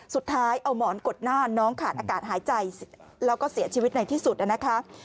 สุดท้ายเอาหมอนกดหน้าน้องขาดอากาศหายใจแล้วก็เสียชีวิตในที่สุดนะคะ